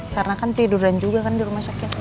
karena kan tiduran juga kan di rumah sakit